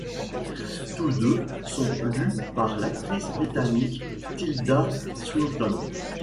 Tous deux sont lus par l'actrice britannique Tilda Swinton.